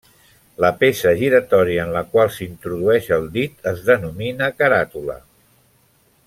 La peça giratòria en la qual s'introdueix el dit es denomina caràtula.